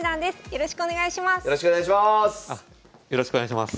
よろしくお願いします。